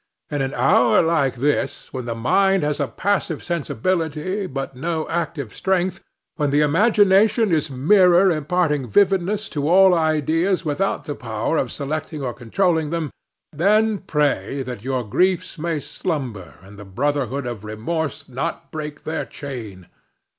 In an hour like this, when the mind has a passive sensibility, but no active strength—when the imagination is a mirror imparting vividness to all ideas without the power of selecting or controlling them—then pray that your griefs may slumber and the brotherhood of remorse not break their chain.